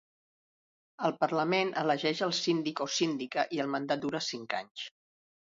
El Parlament elegeix el síndic o síndica i el mandat dura cinc anys.